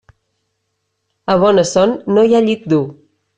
A bona son no hi ha llit dur.